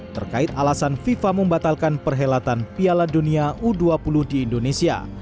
terkait alasan fifa membatalkan perhelatan piala dunia u dua puluh di indonesia